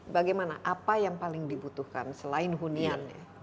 bagaimana apa yang paling dibutuhkan selain huniannya